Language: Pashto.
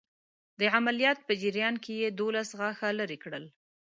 د عملیات په جریان کې یې دوولس غاښه لرې کړل.